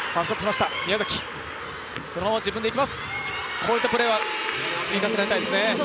こういうプレー積み重ねたいですね。